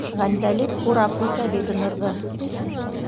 — Ғәндәлип урап үтә Бибинурҙы